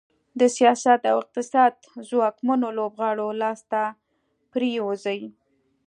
د سیاست او اقتصاد ځواکمنو لوبغاړو لاس ته پرېوځي.